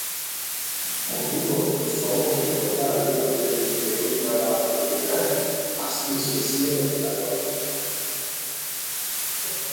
Munduko zoologikoetan dauden lehoinabar gehienak azpiespezie honetakoak dira.